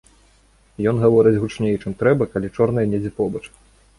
Ён гаворыць гучней, чым трэба, калі чорныя недзе побач.